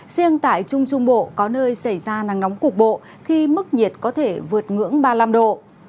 riêng tại trung trung bộ có nơi xảy ra nắng nóng cục bộ khi mức nhiệt có thể vượt ngưỡng ba mươi năm độ